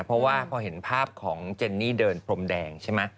เพราะว่าพอเห็นภาพของเจนนี่เดินพรมแดงใช่ไหม